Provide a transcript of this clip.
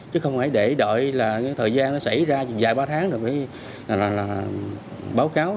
chứ không hãy để đợi là thời gian nó xảy ra dài ba tháng rồi mới báo cáo